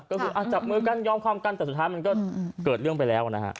ก็คือจับมือกันยอมความกันแต่สุดท้ายมันก็เกิดเรื่องไปแล้วนะฮะ